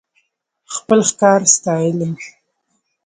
خپل ښکار ستايلو .